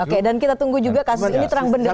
oke dan kita tunggu juga kasus ini terang beneran